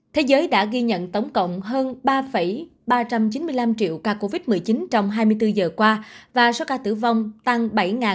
thế giới đã ghi nhận tổng cộng hơn ba ba trăm chín mươi năm triệu ca covid một mươi chín trong hai mươi bốn giờ qua và số ca tử vong tăng bảy bảy trăm ba mươi năm